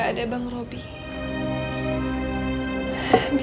but ada kebological